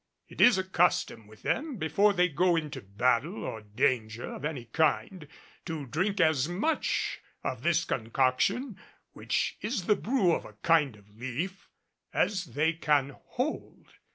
It is a custom with them before they go into battle or danger of any kind to drink as much of this concoction, which is the brew of a kind of leaf, as they can hold.